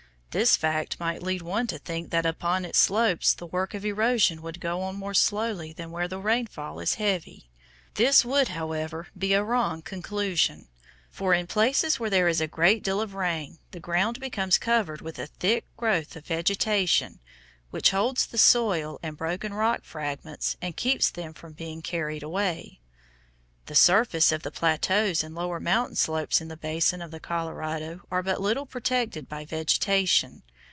This fact might lead one to think that upon its slopes the work of erosion would go on more slowly than where the rainfall is heavy. This would, however, be a wrong conclusion, for in places where there is a great deal of rain the ground becomes covered with a thick growth of vegetation which holds the soil and broken rock fragments and keeps them from being carried away. The surface of the plateaus and lower mountain slopes in the basin of the Colorado are but little protected by vegetation.